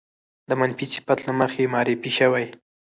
د منفي صفت له مخې معرفې شوې